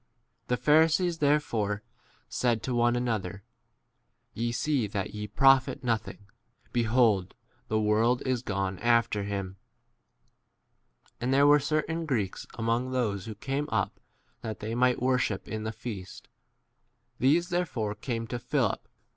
The Pharisees therefore said to one another, Ye see that ye profit nothing ; behold, the world is gone after him. 20 And there were certain Greeks among those who came up that they might worship v in the feast ; 21 these therefore came to Philip, who 8 Literally 'is.'